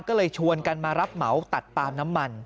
ก็เลยชวนกันมารับเหมาตัดปาล์มน้ำมัน